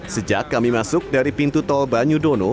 sejak kami masuk dari pintu tol banyudono